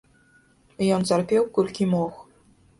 Ён цярпеў, колькі мог.